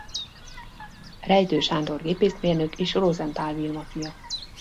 Rejtő Sándor gépészmérnök és Rosenthal Vilma fia.